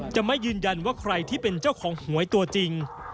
จะไม่ยืนยันว่าใครที่เป็นเจ้าของหวยตัวจริง